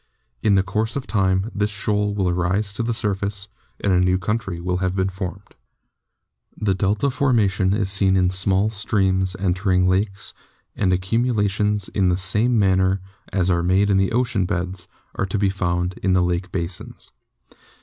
In the course of time this shoal will rise to the surface, and a new country will have been formed. RECONSTRUCTIVE PROCESSES *53 The delta formation is seen in small streams entering lakes, and accumulations in the same manner as are made in the ocean beds are to be found in the lake basins.